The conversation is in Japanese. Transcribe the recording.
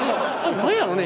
何やろね？